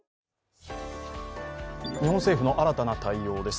日本政府の新たな対応です。